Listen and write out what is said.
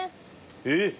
えっ！